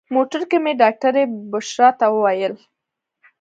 موټر کې مې ډاکټرې بشرا ته وویل.